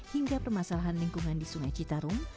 hingga permasalahan lingkungan di sungai citarum